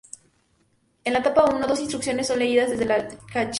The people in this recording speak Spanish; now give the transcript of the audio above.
En la etapa uno, dos instrucciones son leídas desde la I-cache.